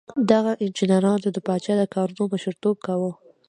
دغو انجینرانو د پادشاه د کارونو مشر توب کاوه.